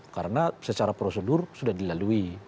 karena secara prosedur sudah dilalui